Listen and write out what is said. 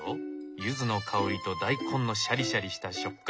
ユズの香りと大根のシャリシャリした食感。